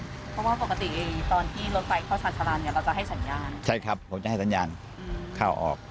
เพราะว่าปกติตอนที่รถไฟเข้าชาญชาลานเนี่ยเราจะให้สัญญาณใช่ครับผมจะให้สัญญาณเข้าออก